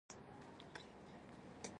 داسې کړه له غریبانو هر غریب پر اوږه سور کړي.